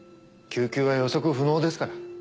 救急は予測不能ですから。